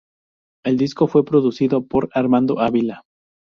El disco fue producido por Armando Ávila.